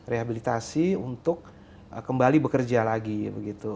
rehabilitasi untuk kembali bekerja lagi begitu